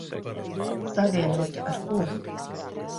Savienota ar ko?